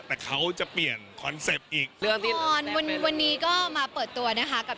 แต่เขาจะเปลี่ยนคอนเซปต์อีกวันนี้ก็มาเปิดตัวนะคะกับ